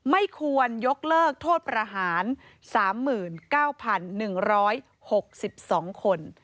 ไม่ควรยกเลิกโทษประหาร๓๙๑๖๒คน